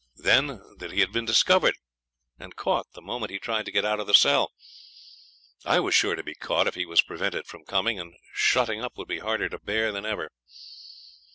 Then, that he had been discovered and caught the moment he tried to get out of the cell. I was sure to be caught if he was prevented from coming; and shutting up would be harder to bear than ever.